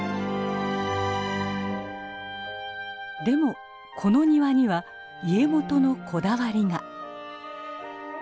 でもこの庭には家元のこだわりが。